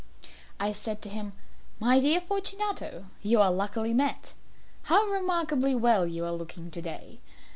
I said to him "My dear Fortunato, you are luckily met. How remarkably well you are looking to day!